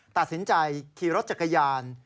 ตัดสินใจขี่รถจักรยาน